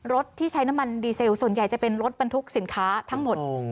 รถที่ใช้น้ำมันดีเซลส่วนใหญ่จะเป็นรถบรรทุกสินค้าทั้งหมด